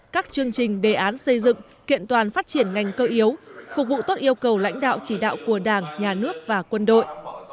các chương trình đề án xây dựng kiện toàn phát triển ngành cơ yếu phục vụ tốt yêu cầu lãnh đạo chỉ đạo của đảng nhà nước và quân đội